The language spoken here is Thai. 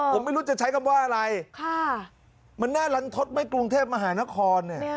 ผมไม่รู้จะใช้คำว่าอะไรมันน่าลันทศไหมกรุงเทพมหานครเนี่ย